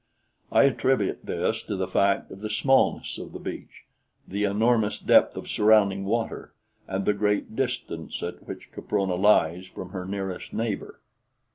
I attribute this to the fact of the smallness of the beach, the enormous depth of surrounding water and the great distance at which Caprona lies from her nearest neighbor.